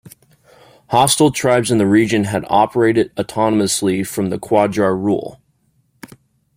Hostile tribes in the region had operated autonomously from the Qajar rule.